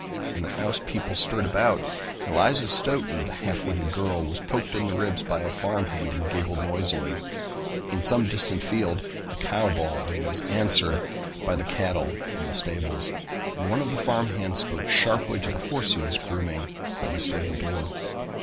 In the house people stirred about. Eliza Stoughton the half witted girl was poked in the ribs by a farm hand and giggled noisily, in some distant field a cow bawled and was answered by the cattle in the stables, and one of the farm hands spoke sharply to the horse he was grooming by the stable door.